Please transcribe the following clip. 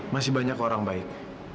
masih banyak orang baik